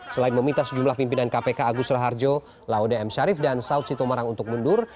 selain meminta sejumlah pimpinan kpk agus raharjo laude m syarif dan saud sito marang untuk mundur